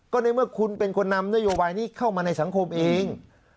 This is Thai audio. ก็ในเมื่อคุณเป็นคนนำนโยบายนี้เข้ามาในสังคมเอง